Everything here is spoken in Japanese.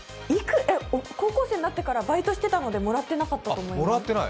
高校生になってからバイトしてたので、もらってなかったと思う。